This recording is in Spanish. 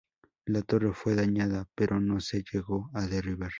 La torre fue dañada pero no se llegó a derribar.